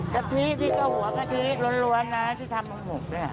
กะทิดิ้งกะหัวล้วนที่ทำต้นหมก